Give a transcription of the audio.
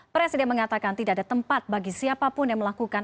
presiden mengatakan tidak ada tempat bagi siapapun yang melakukan